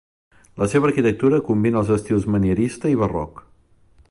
La seva arquitectura combina els estils manierista i barroc.